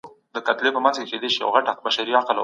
خلګ ولي د احمد شاه بابا مزار ته ځي؟